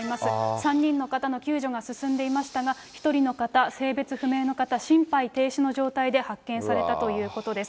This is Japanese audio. ３人の方の救助が進んでいましたが、１人の方、性別不明の方、心肺停止の状態で発見されたということです。